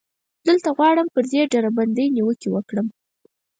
دلته غواړم پر دې ډلبندۍ نیوکې وکړم.